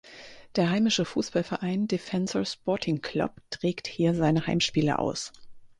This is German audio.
Der heimische Fußballverein Defensor Sporting Club trägt hier seine Heimspiele aus.